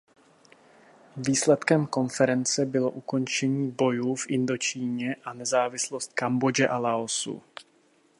Výsledkem konference bylo ukončení bojů v Indočíně a nezávislost Kambodže a Laosu.